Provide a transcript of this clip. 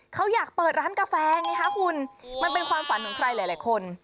เขาอยากเปิดร้านกาแฟไงคะคุณมันเป็นความฝันของใครหลายคน